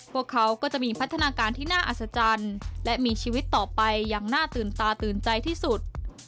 พวกเขาก็จะมีพัฒนาการที่น่าอัศจรรย์และมีชีวิตต่อไปอย่างน่าตื่นตาตื่นใจที่สุด